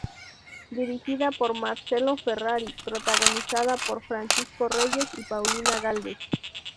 Dirigida por Marcelo Ferrari, protagonizada por Francisco Reyes y Paulina Gálvez.